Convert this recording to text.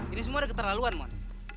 ini semua ada keternaluan mon